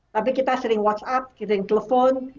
tapi kita sering whatsapp sering telepon